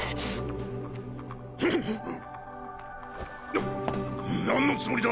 ななんのつもりだ？